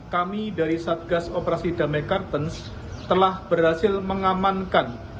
kami dari satgas operasi damai kartens telah berhasil mengamankan